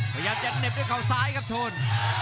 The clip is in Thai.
พยายามจะเหน็บด้วยเขาซ้ายครับโทน